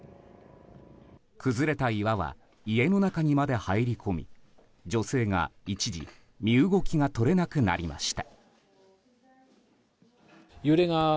崩れた岩は家の中にまで入り込み女性が一時身動きが取れなくなりました。